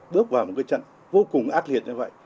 bước vào một cái trận vô cùng ác liệt như vậy